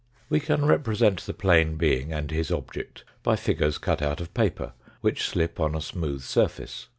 We can represent the plane being and his object by figures cut out of paper, which slip on a smooth surface.